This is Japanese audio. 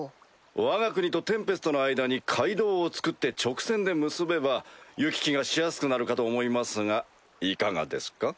わが国とテンペストの間に街道を造って直線で結べば行き来がしやすくなるかと思いますがいかがですか？